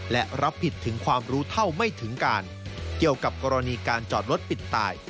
และรับผิดถึงความรู้เท่าไม่ถึงการเกี่ยวกับกรณีการจอดรถปิดตาย